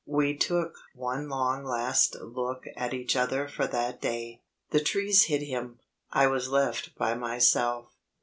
We took one long last look at each other for that day; the trees hid him; I was left by myself.